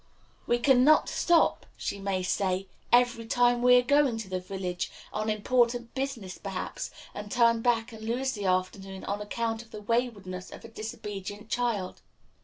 We can not stop, she may say, every time we are going to the village, on important business perhaps, and turn back and lose the afternoon on account of the waywardness of a disobedient child.